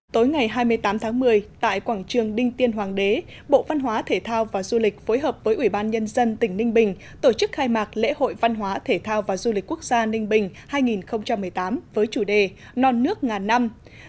tối ngày hai mươi tám tháng một mươi tại quảng trường đinh tiên hoàng đế bộ văn hóa thể thao và du lịch phối hợp với ủy ban nhân dân tỉnh ninh bình tổ chức khai mạc lễ hội văn hóa thể thao và du lịch quốc gia ninh bình hai nghìn một mươi tám với chủ đề non nước ngàn năm